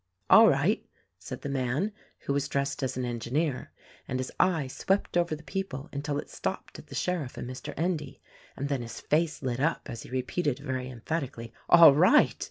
"All right," said the man, who was dressed as an engi neer, and his eye swept over the people until it stopped at the sheriff and Mr. Endy; and then his face lit up as he repeated very emphatically, "All right!"